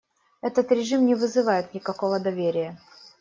Этот режим не вызывает никакого доверия.